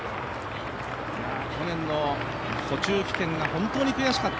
去年の途中棄権が本当に悔しかった。